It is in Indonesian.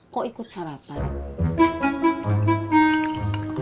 kok ikut sarapan